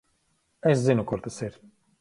Es zinu, kur tas ir.